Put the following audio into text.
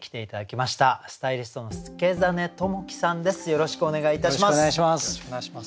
よろしくお願いします。